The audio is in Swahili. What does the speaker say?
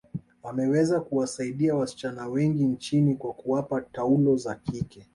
ameweza kuwasaidia wasichana wengi nchini kwa kuwapa taulo za kike